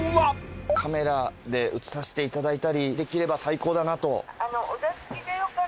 カメラで映させていただいたりできれば最高だなと。